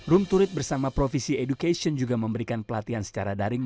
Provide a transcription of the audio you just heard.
room to read bersama provisi education juga memberikan pelatihan secara daring